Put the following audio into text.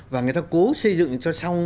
và người ta cố xây dựng cho xong